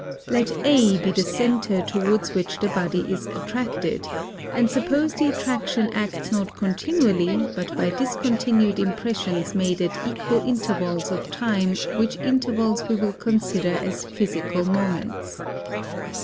Let A be the center towards which the body is attracted, & suppose the attraction acts not continually but by discontinued impressions made at equal intervalls of time which intervalls we will consider as physical moments.